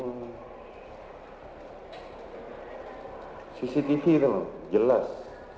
bukti cctv teman teman jelas